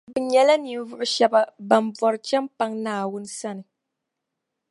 bɛ nyɛla ninvuɣu shɛba ban bɔri chεmpaŋ Naawuni sani